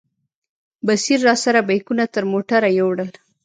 بصیر راسره بیکونه تر موټره یوړل.